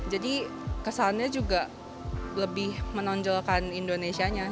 jadi kesannya juga lebih menonjolkan indonesia nya